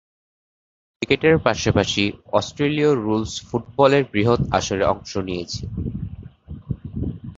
ক্রিকেটের পাশাপাশি অস্ট্রেলীয় রুলস ফুটবলের বৃহৎ আসরে অংশ নিয়েছেন।